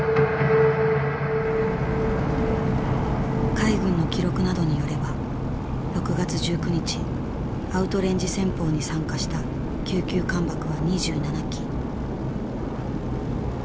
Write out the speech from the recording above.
海軍の記録などによれば６月１９日アウトレンジ戦法に参加した九九艦爆は２７機。